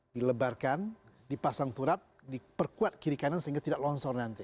dilebarkan dipasang turap diperkuat kiri kanan sehingga tidak longsor nanti